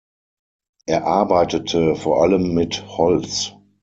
Er arbeitete vor allem mit Holz.